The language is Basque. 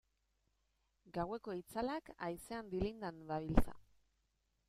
Gaueko itzalak haizean dilindan dabiltza.